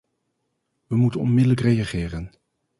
We moeten onmiddellijk reageren.